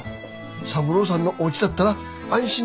三郎さんのおうちだったら安心だよ。